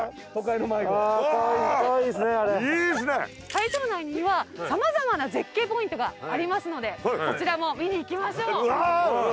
会場内には様々な絶景ポイントがありますのでそちらも見に行きましょう。